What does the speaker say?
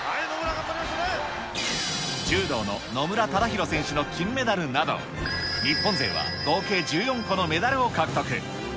柔道の野村忠宏選手の金メダルなど、日本勢は合計１４個のメダルを獲得。